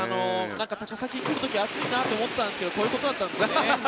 高崎に来る時に熱いなと思ったんですけどこういうことだったんですね。